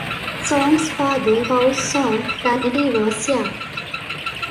Song's father, Paul Song, died when he was young.